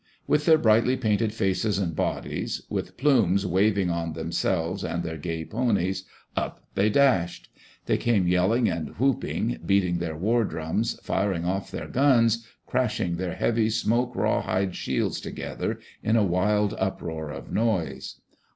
With their brightly painted faces and bodies, with plumes waving on themselves and their gay ponies, up they dashed! They came yelling and whooping, beating their war drums, firing off their guns, crashing their heavy, smoked rawhide shields together, in a wild uproar of noise.